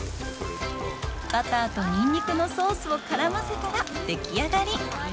バターとニンニクのソースを絡ませたら、でき上がり。